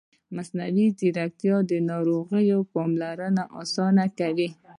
مصنوعي ځیرکتیا د ناروغ پاملرنه اسانه کوي.